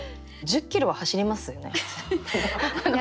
１０キロは走りますよね普通に。